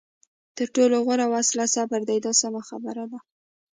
تر ټولو غوره وسله صبر دی دا سمه خبره ده.